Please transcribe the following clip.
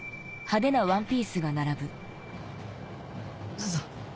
・どうぞ。